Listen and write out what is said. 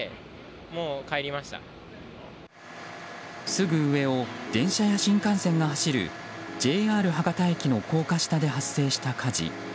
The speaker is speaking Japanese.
すぐ上を電車や新幹線が走るＪＲ博多駅の高架下で発生した火事。